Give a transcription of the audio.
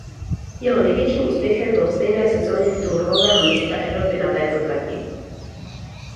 Jeho největším úspěchem byl v stejné sezóně titul halového mistra Evropy na této trati.